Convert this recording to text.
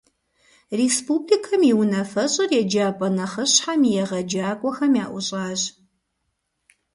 Республикэм и Унафэщӏыр еджапӏэ нэхъыщхьэм и егъэджакӏуэхэм яӏущӏащ.